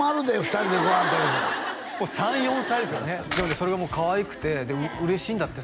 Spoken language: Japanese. ねそれがかわいくて嬉しいんだって